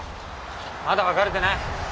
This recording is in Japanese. まだ別れてない。